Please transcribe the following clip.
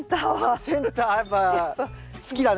センターやっぱ好きだね。